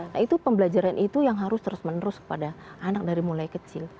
nah itu pembelajaran itu yang harus terus menerus kepada anak dari mulai kecil